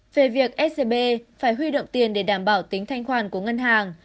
về việc scb phải huy động tiền để đảm bảo tính thanh khoản của ngân hàng